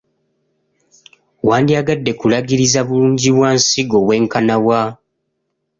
Wandyagadde kulagiriza bungi bwa nsigo bwenkana wa?